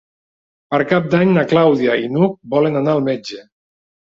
Per Cap d'Any na Clàudia i n'Hug volen anar al metge.